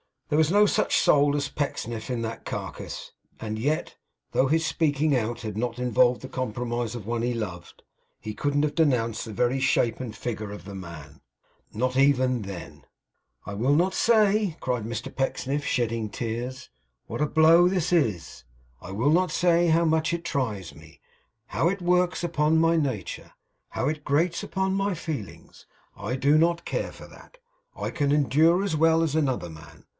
There was no such soul as Pecksniff's in that carcase; and yet, though his speaking out had not involved the compromise of one he loved, he couldn't have denounced the very shape and figure of the man. Not even then. 'I will not say,' cried Mr Pecksniff, shedding tears, 'what a blow this is. I will not say how much it tries me; how it works upon my nature; how it grates upon my feelings. I do not care for that. I can endure as well as another man.